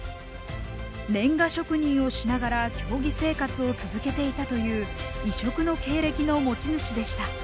レンガ職人をしながら競技生活を続けていたという異色の経歴の持ち主でした。